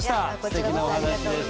すてきなお話でした。